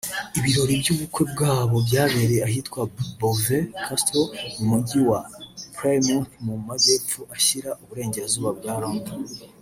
Ibirori by’ubukwe bwabo byabereye ahitwa Bovey Castle mu mujyi wa Plymouth mu Majyepfo ashyira Uburengerazuba bwa London